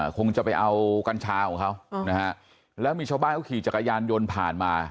คงจะไปเอากัญชาของเขานะฮะแล้วมีชาวบ้านเขาขี่จักรยานยนต์ผ่านมา